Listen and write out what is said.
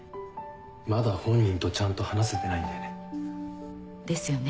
まだ本人とちゃんと話せてないんだよね。ですよね。